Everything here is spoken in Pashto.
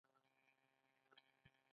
مصنوعي ځیرکتیا د پوهې لاسرسی پراخوي.